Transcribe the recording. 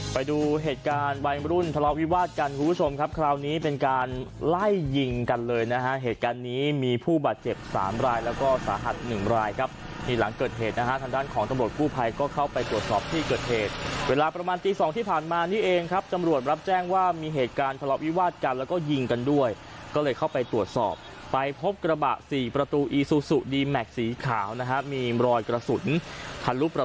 ไปดูเหตุการณ์วัยรุ่นทะเลาะวิวาดกันคุณผู้ชมครับคราวนี้เป็นการไล่ยิงกันเลยนะฮะเหตุการณ์นี้มีผู้บาดเจ็บสามรายแล้วก็สาหัสหนึ่งรายครับที่หลังเกิดเหตุนะฮะทางด้านของตำรวจผู้ภัยก็เข้าไปตรวจสอบที่เกิดเหตุเวลาประมาณตีสองที่ผ่านมานี่เองครับตำรวจรับแจ้งว่ามีเหตุการณ์ทะเลาะวิวาดกั